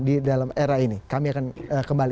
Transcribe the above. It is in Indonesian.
di dalam era ini kami akan kembali